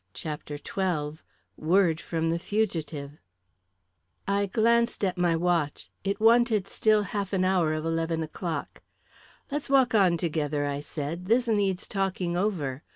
CHAPTER XII Word from the Fugitive I glanced at my watch; it wanted still half an hour of eleven o'clock. "Let's walk on together," I said; "this needs talking over.